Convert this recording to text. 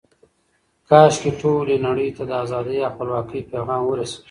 کاشکې ټولې نړۍ ته د ازادۍ او خپلواکۍ پیغام ورسیږي.